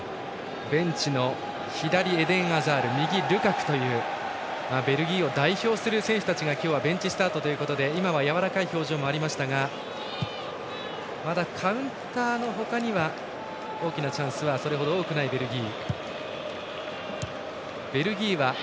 ベンチのエデン・アザール右、ルカクというベルギーを代表する選手が今日はベンチスタートということでやわらかい表情もありましたがまだカウンターのほかには大きなチャンスはそれほど多くないベルギー。